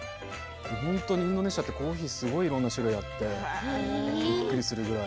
インドネシアってコーヒーがいろんな種類があってびっくりするぐらい。